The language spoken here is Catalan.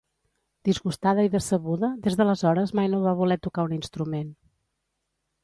Disgustada i decebuda, des d'aleshores mai no va voler tocar un instrument.